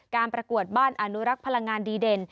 ประกวดบ้านอนุรักษ์พลังงานดีเด่น